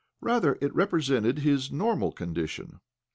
Rather, it represented his normal condition.